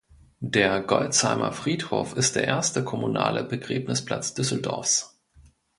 Der Golzheimer Friedhof ist der erste kommunale Begräbnisplatz Düsseldorfs.